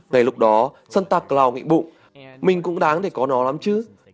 ngày lúc đó santa claus nghĩ bụng mình cũng đáng để có nó lắm chứ